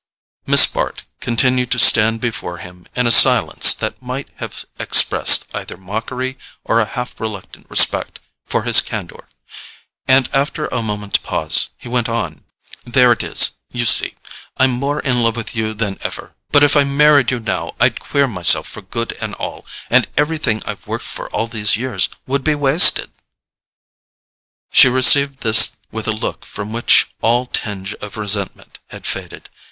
Miss Bart continued to stand before him in a silence that might have expressed either mockery or a half reluctant respect for his candour, and after a moment's pause he went on: "There it is, you see. I'm more in love with you than ever, but if I married you now I'd queer myself for good and all, and everything I've worked for all these years would be wasted." She received this with a look from which all tinge of resentment had faded.